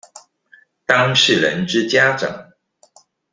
當事人之家長